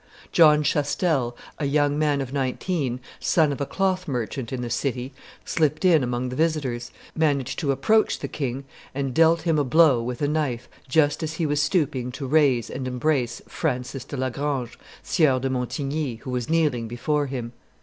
John Chastel, a young man of nineteen, son of a cloth merchant in the city, slipped in among the visitors, managed to approach the king, and dealt him a blow with a knife just as he was stooping to raise and embrace Francis de la Grange, Sieur de Montigny, who was kneeling before him.